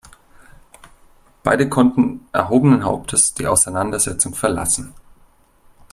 Beide konnten erhobenen Hauptes die Auseinandersetzung verlassen.